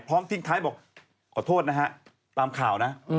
พร้อมทิ้งท้ายบอกขอโทษนะครับตามข่าวนะ